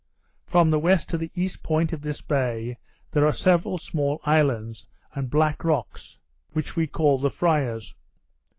From the west to the east point of this bay there are several small islands, and black rocks, which we called the Friars.